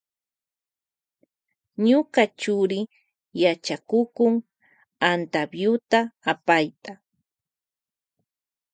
Ñuka churi yachakukun antapyuta apayta.